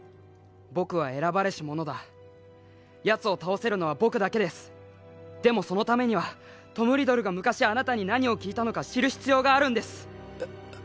僕は選ばれし者だヤツを倒せるのは僕だけですでもそのためにはトム・リドルが昔あなたに何を聞いたのか知る必要があるんです